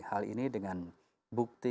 hal ini dengan bukti